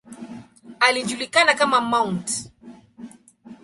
Alijulikana kama ""Mt.